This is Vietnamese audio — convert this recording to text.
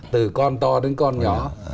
từ con to đến con nhỏ